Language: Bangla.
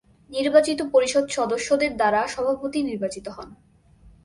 নির্বাচিত পরিষদ সদস্যদের দ্বারা সভাপতি নির্বাচিত হন।